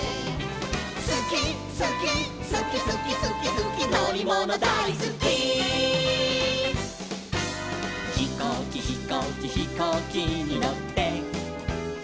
「すきすきすきすきすきすきのりものだいすき」「ひこうきひこうきひこうきにのって」